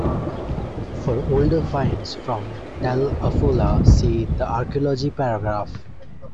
For older finds from Tel 'Afula see the Archaeology paragraph.